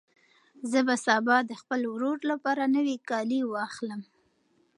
زه به سبا د خپل ورور لپاره نوي کالي واخیستل.